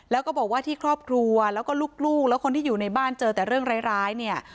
แล้วก็บอกว่าที่ครอบครัวแล้วก็ลูกแล้วคนที่อยู่ในบ้านเจอแต่เรื่องร้ายเนี่ย